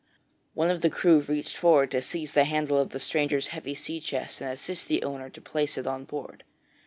One of the crew reached forward to seize a handle of the stranger's heavy sea chest and assist the owner to place it on board.